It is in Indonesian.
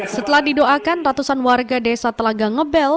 setelah didoakan ratusan warga desa telaga ngebel